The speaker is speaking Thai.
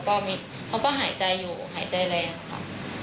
เขาก็หายใจอยู่หายใจแรงค่ะ